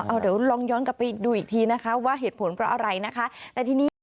เอาเดี๋ยวลองย้อนกลับไปดูอีกทีนะคะว่าเหตุผลเพราะอะไรนะคะแต่ทีนี้